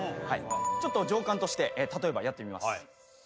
ちょっと上官として例えばやってみます。